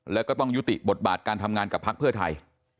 แล้วก็ต้องยุติบทบาทการทำงานกับพักเพื่อไทย